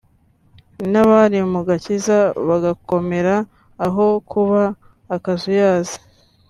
n’abari mu gakiza bagakomera aho kuba akazuyazi